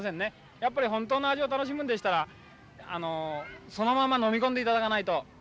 やっぱり本当の味を楽しむんでしたらそのまま飲み込んでいただかないと。